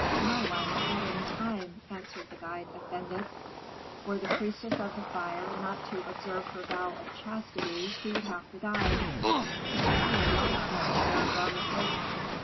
"No one at any time," answered the guide, offended. "Were the priestess of the fire not to observe her vow of chastity she would have to die." "A cruel law," observed Rameses.